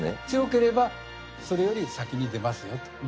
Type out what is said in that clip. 強ければそれより先に出ますよと。